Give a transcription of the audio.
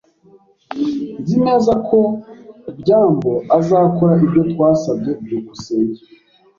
Nzi neza ko byambo azakora ibyo twasabye. byukusenge